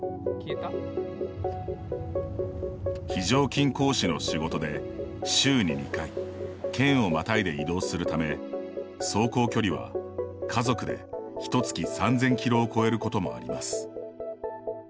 非常勤講師の仕事で、週に２回県をまたいで移動するため走行距離は、家族でひと月３０００キロを超えることもあります。